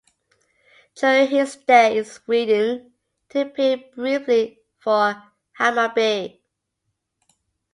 During his stay in Sweden he appeared briefly for Hammarby.